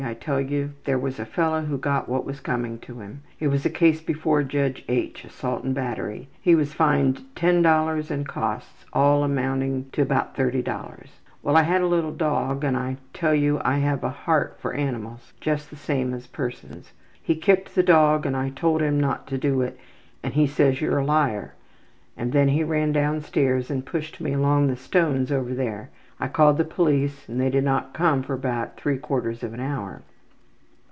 I tell you, there was a fellow who got what was coming to him. It was a case before Judge H. assault and battery. He was fined $10 and costs all amounted to about $30. Well, I had a little dog and I tell you I have a heart for animals just the same as persons. He kicked the dog and I told him not to do it and he says, `You're a liar,' and then he ran down stairs and pushed me along the stones over there. I called the police and they did not come for about three quarters of an hour.